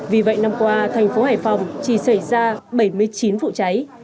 vì vậy năm qua thành phố hải phòng chỉ xảy ra bảy mươi chín